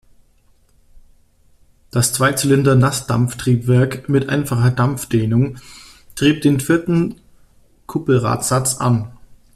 Das Zweizylinder-Nassdampftriebwerk mit einfacher Dampfdehnung trieb den vierten Kuppelradsatz an.